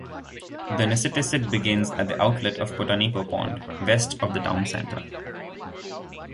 The Nissitissit begins at the outlet of Potanipo Pond, west of the town center.